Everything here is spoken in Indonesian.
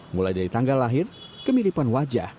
mulai dari tanggal lahir kemiripan wajah